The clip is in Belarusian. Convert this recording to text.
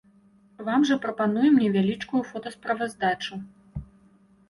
Вам жа прапануем невялічкую фотасправаздачу.